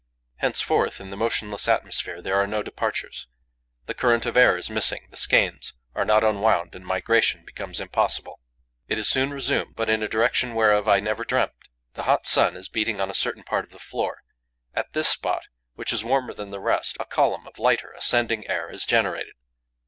Henceforth, in the motionless atmosphere, there are no departures. The current of air is missing, the skeins are not unwound and migration becomes impossible. It is soon resumed, but in a direction whereof I never dreamt. The hot sun is beating on a certain part of the floor. At this spot, which is warmer than the rest, a column of lighter, ascending air is generated.